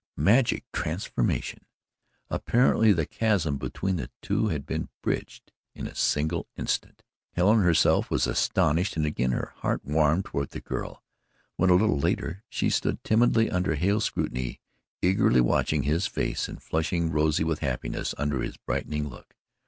Magic transformation! Apparently the chasm between the two had been bridged in a single instant. Helen herself was astonished and again her heart warmed toward the girl, when a little later, she stood timidly under Hale's scrutiny, eagerly watching his face and flushing rosy with happiness under his brightening look.